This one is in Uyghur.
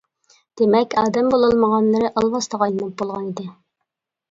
دېمەك ئادەم بولالمىغانلىرى ئالۋاستىغا ئايلىنىپ بولغان ئىدى.